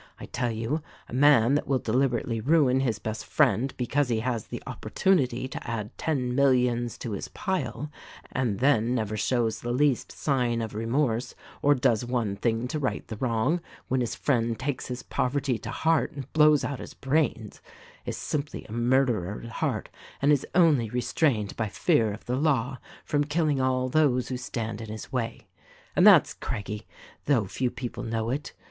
I tell you, a man that will deliberately ruin his best friend because he has the opportunity to add ten millions to his pile, and then never shows the least sign of remorse or does one thing to right the wrong when his friend takes his poverty to heart and blows out his brains, is simply a murderer at heart and is only restrained by fear of the law from killing all those who stand in his way. And that's Craggie — though few people know it.